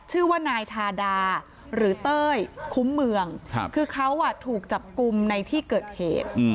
ชื่อว่านายทาดาหรือเต้ยคุ้มเมืองคือเขาถูกจับกลุ่มในที่เกิดเหตุ